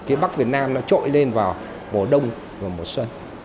phía bắc việt nam nó trội lên vào mùa đông và mùa xuân